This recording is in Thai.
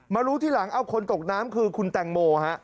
มารู้ที่หลังคนตกน้ำคือคุณแต่งโม